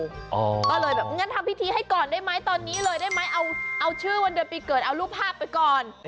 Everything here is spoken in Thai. ก็เลยแบบงั้นทำพิธีให้ก่อนได้ไหมตอนนี้เลยได้ไหมเอาชื่อวันเดือนปีเกิดเอารูปภาพไปก่อน